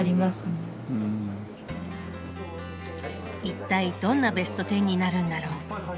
一体どんなベスト１０になるんだろう？